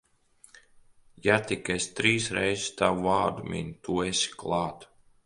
Ja tik es trīs reiz tavu vārdu minu, tu esi klāt.